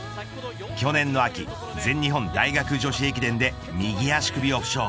去年の秋、全日本大学女子駅伝で右足首を負傷。